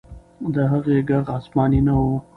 د هغې ږغ آسماني نه و.